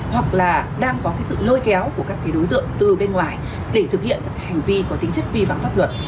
hoặc là đang có sự lôi kéo của các đối tượng từ bên ngoài để thực hiện các hành vi có tính chất vi phạm pháp luật